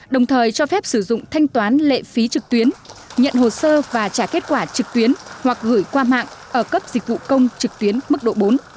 đồng thời cho phép sử dụng thanh toán lệ phí trực tuyến nhận hồ sơ và trả kết quả trực tuyến hoặc gửi qua mạng ở cấp dịch vụ công trực tuyến mức độ bốn